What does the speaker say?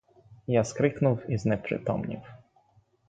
Я крикнув і знепритомнів.